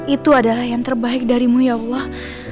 itu adalah yang terbaik darimu ya allah